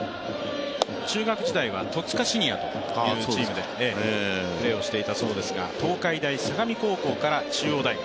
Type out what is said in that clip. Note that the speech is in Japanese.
中学時代は戸塚シニアというチームでプレーをしていたそうですが東海大相模高校から中央大学。